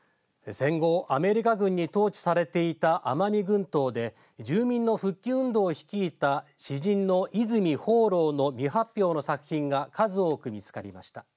戦後アメリカ軍に統治されていた奄美群島で住民の復帰運動を率いた詩人の泉芳朗の未発表の作品が数多く見つかりました。